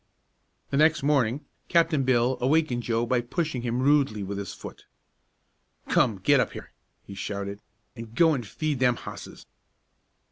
The next morning Captain Bill awakened Joe by pushing him rudely with his foot. "Come, get up here," he shouted, "an' go an' feed them hosses!"